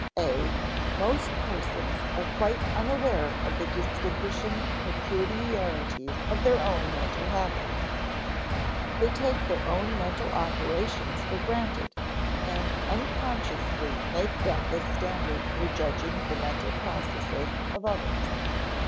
(a) Most persons are quite unaware of the distinguishing peculiarities of their own mental habit. They take their own mental operations for granted, and unconsciously make them the standard for judging the mental processes of others.